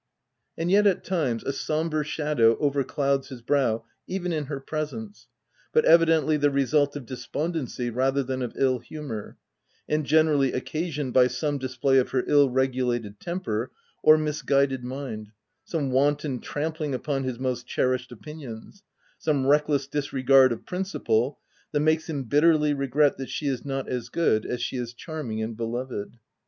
And yet, at times, a sombre shadow over clouds his brow even in her presence, but evidently the result of despondency rather than of ill humour, and generally occasioned by some dis play of her ill regulated temper or misguided mind — some wanton trampling upon his most cherished opinions — some reckless disregard of principle that makes him bitterly regret that she is not as. good as she is charming and be loved.